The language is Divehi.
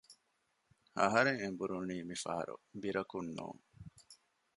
އަހަރެން އެނބުރުނީ މިފަހަރު ބިރަކުން ނޫން